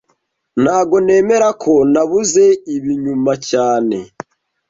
Ntago nemera ko nabuze ibi nyuma cyane